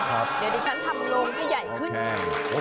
เดี๋ยวดิฉันทำโรงให้ใหญ่ขึ้น